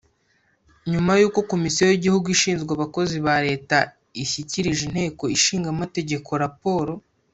Nyuma y uko Komisiyo y Igihugu ishinzwe Abakozi ba Leta ishyikirije Inteko ishinga Amategeko raporo